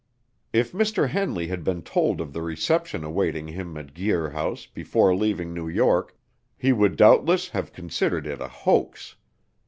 If Mr. Henley had been told of the reception awaiting him at Guir House before leaving New York, he would doubtless have considered it a hoax.